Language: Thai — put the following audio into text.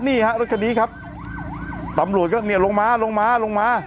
นี่ฮะรถคันนี้ครับตำรวจก็เนี่ยลงมาลงมาลงมา